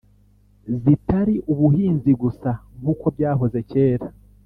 zitari ubuhinzi gusa nk’uko byahoze kera